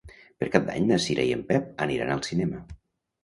Per Cap d'Any na Cira i en Pep aniran al cinema.